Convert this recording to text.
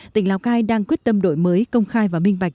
tỉnh lào cai đang quyết tâm đổi mới công khai và minh bạch